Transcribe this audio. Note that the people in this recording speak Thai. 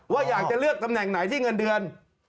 ว่าอยากจะเลือกตำแหน่งไหนที่เงินเดือน